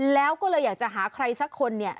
แล้วก็เลยอยากจะหาใครสักคนเนี่ย